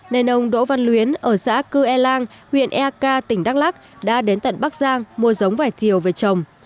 nên ông đỗ văn luyến ở xã cư e lang huyện eka tỉnh đắk lắc đã đến tận bắc giang mua giống vải thiều về trồng